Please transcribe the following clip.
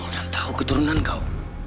kau enggak tahu keturunan kau